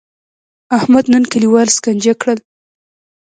احمد نن کلیوال سکنجه کړل.